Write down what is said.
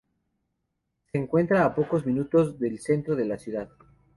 Se encuentra a pocos minutos del centro de la ciudad.